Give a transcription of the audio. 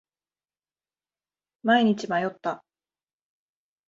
毎日迷った。